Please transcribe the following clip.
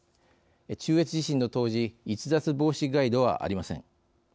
中越地震の当時逸脱防止ガイドは、ありません。